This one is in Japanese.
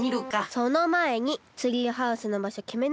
そのまえにツリーハウスのばしょきめないと。